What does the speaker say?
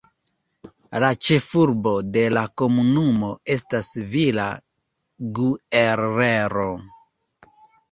La ĉefurbo de la komunumo estas Villa Guerrero.